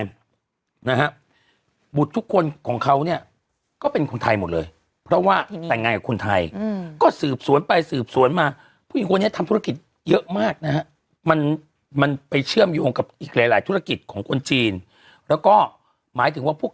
นั่นแหละก็เล่าไปหมดแล้วแล้วคุณนี้เห็นคนลงรูป